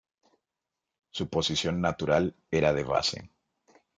Su posición natural era de base.